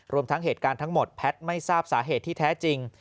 รวมทั้งเหตุการณ์ทั้งหมดแพทย์ไม่ทราบสาเหตุที่แท้จริง